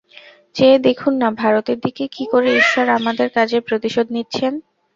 চেয়ে দেখুন না ভারতের দিকে, কি করে ঈশ্বর আমাদের কাজের প্রতিশোধ নিচ্ছেন।